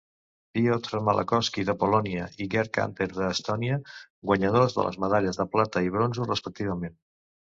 Piotr Malachowski, de Polònia, i Gerd Kanter, d'Estònia, guanyadors de les medalles de plata i bronzo, respectivament.